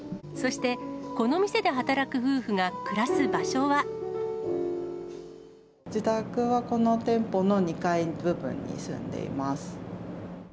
そして、自宅はこの店舗の２階部分に住んでいます。